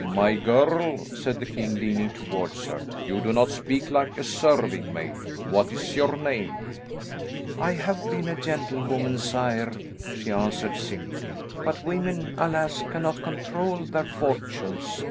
"My girl," said the king leaning towards her, "you do not speak like a serving maid. What is your name?" "I have been a gentlewoman, sire," she answered simply, "but women, alas, cannot control their fortunes.